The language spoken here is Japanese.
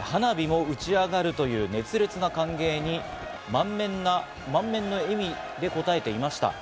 花火も打ち上がるという熱烈な歓迎に満面の笑みでこたえていました。